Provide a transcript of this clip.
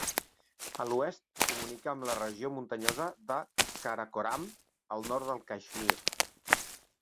A l'oest, comunica amb la regió muntanyosa del Karakoram, al nord del Caixmir.